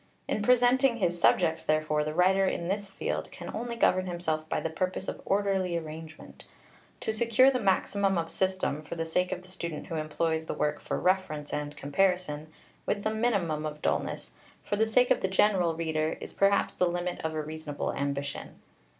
In presenting his subjects, therefore, the writer in this field can only govern himself by the purpose of orderly arrangement. To secure the maximum of system, for the sake of the student who employs the work for reference and comparison, with the minimum of dullness, for the sake of the general reader, is perhaps the limit of a reasonable ambition.